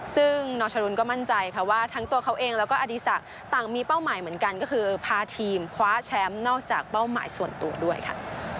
ซึ่งนอชรุนก็มั่นใจค่ะว่าทั้งตัวเขาเองแล้วก็อดีศักดิ์ต่างมีเป้าหมายเหมือนกันก็คือพาทีมคว้าแชมป์นอกจากเป้าหมายส่วนตัวด้วยค่ะ